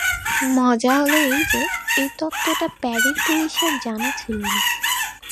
মজা হল এই যে, এই তত্ত্বটা প্যারির পুলিশের জানা ছিল না।